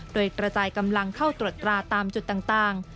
โดยกระจายกำลังเข้าตรวจตราตามจุดต่าง